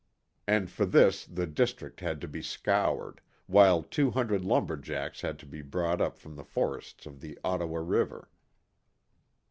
And for this the district had to be scoured, while two hundred lumber jacks had to be brought up from the forests of the Ottawa River.